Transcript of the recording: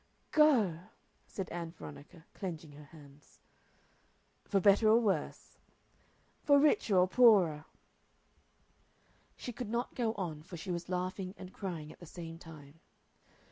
"Go!" said Ann Veronica, clenching her hands. "For better or worse." "For richer or poorer." She could not go on, for she was laughing and crying at the same time.